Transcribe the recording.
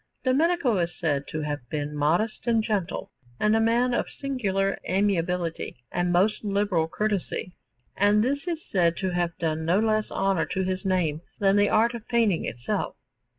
Domenico is said to have been modest and gentle, and a man of singular amiability and most liberal courtesy; and this is said to have done no less honour to his name than the art of painting itself.